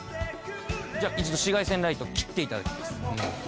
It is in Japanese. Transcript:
じゃあ一度紫外線ライトを切って頂きます。